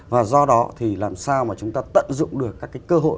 và do đó thì làm sao mà chúng ta tận dụng được các cái cơ hội